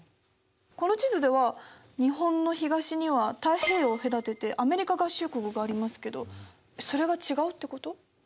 この地図では日本の東には太平洋を隔ててアメリカ合衆国がありますけどそれが違うってこと？